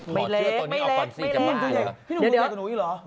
ไม่เล็กไม่เล็กพี่หนูเล็กกับหนูอีกหรอ